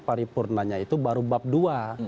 paripurnanya itu baru bab dua